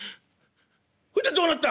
「ほれでどうなった？」。